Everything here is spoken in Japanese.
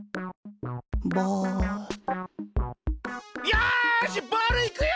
よしボールいくよ！